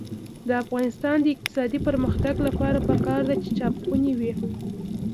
د افغانستان د اقتصادي پرمختګ لپاره پکار ده چې چاپخونې وي.